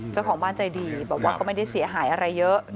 เจ้าของบ้านใจดีบอกว่าก็ไม่ได้เสียหายอะไรเยอะ